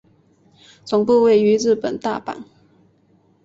总部位于日本大阪。